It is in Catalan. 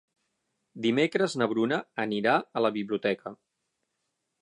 Dimecres na Bruna anirà a la biblioteca.